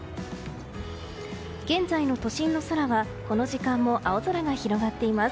現在の都心の空はこの時間も青空が広がっています。